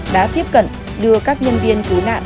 đã tiếp cận đưa các nhân viên cứu nạn